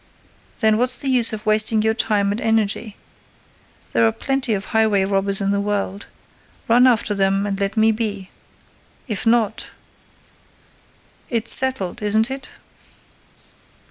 Then what's the use of wasting your time and energy? There are plenty of highway robbers in the world. Run after them and let me be—if not!—It's settled, isn't it?"